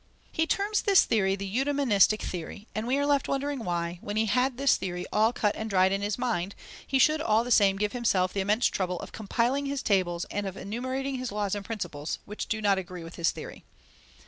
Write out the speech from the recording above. He terms this theory the eudemonistic theory, and we are left wondering why, when he had this theory all cut and dried in his mind, he should all the same give himself the immense trouble of compiling his tables and of enumerating his laws and principles, which do not agree with his theory.